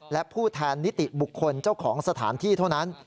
และผู้แทนนิติบุคคลเจ้าของสถานที่เท่านั้น